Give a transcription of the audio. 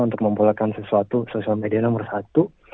untuk mempopulerkan sesuatu sosial media nomor satu